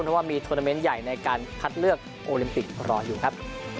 เพราะว่ามีโทรนาเมนต์ใหญ่ในการคัดเลือกโอลิมปิกรออยู่ครับ